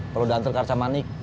perlu dantel karca manik